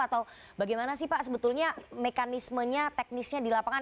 atau bagaimana sih pak sebetulnya mekanismenya teknisnya di lapangan